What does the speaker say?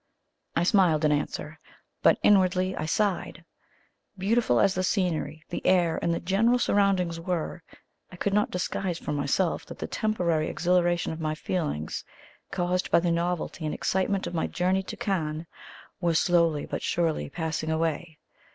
I smiled in answer, but inwardly I sighed. Beautiful as the scenery, the air, and the general surroundings were, I could not disguise from myself that the temporary exhilaration of my feelings, caused by the novelty and excitement of my journey to Cannes, was slowly but surely passing away.